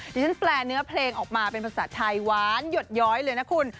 ที่ฉันแปลเนื้อเพลงออกมาเป็นภาษาไทยหวานหยดย้อยเลยนะคุณ